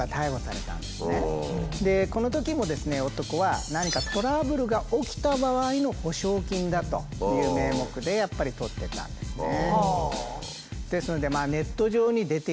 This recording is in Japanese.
このときもですね男は何かトラブルが起きた場合の保証金だという名目でやっぱり取ってたんですね。